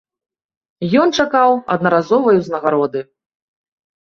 Ён чакаў аднаразовай узнагароды.